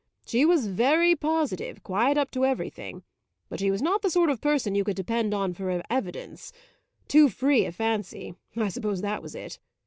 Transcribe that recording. She was very positive, quite up to everything; but she was not the sort of person you could depend on for evidence. Too free a fancy I suppose that was it.